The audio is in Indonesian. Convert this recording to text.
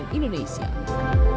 mengucapkan terima kasih